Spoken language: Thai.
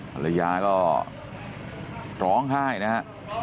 ภรรยาก็ร้องไห้นะฮะ